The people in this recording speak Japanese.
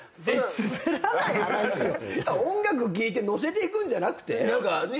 音楽聴いて乗せていくんじゃなくて⁉何かね。